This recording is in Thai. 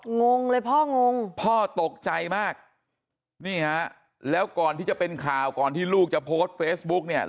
งงเลยพ่องงพ่อตกใจมากนี่ฮะแล้วก่อนที่จะเป็นข่าวก่อนที่ลูกจะโพสต์เฟซบุ๊กเนี่ย